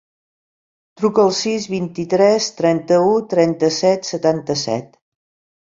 Truca al sis, vint-i-tres, trenta-u, trenta-set, setanta-set.